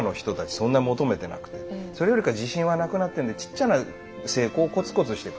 そんなに求めてなくてそれよりか自信はなくなってるんでちっちゃな成功をコツコツしてく。